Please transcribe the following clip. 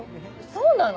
そうなの？